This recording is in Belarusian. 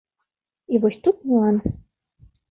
І вось тут нюанс.